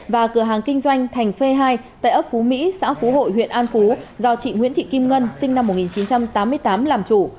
và cửa hàng kinh doanh thành phê hai tại ấp phú mỹ xã phú hội huyện an phú do chị nguyễn thị kim ngân sinh năm một nghìn chín trăm tám mươi tám làm chủ